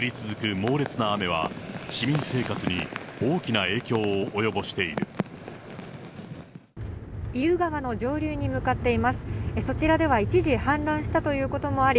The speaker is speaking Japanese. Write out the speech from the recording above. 猛烈な雨は、市民生活に大きな影響を及ぼしている。